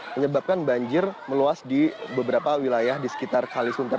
menyebabkan banjir meluas di beberapa wilayah di sekitar kalisuntar